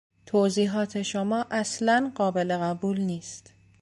توضیحات شما اصلا قابل قبول نیست.